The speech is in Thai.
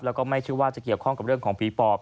แล้วก็ไม่เชื่อว่าจะเกี่ยวข้องกับเรื่องของผีปอบ